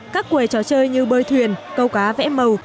các quầy trò chơi như bơi thuyền câu cá vẽ màu